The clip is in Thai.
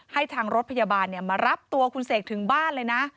ให้ทางรถพยาบาลมารับตัวคุณเสกถึงบ้านเลยนะ